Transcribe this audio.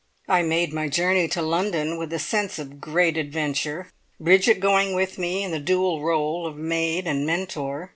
I made my journey to London with a sense of great adventure, Bridget going with me in the dual role of maid and mentor.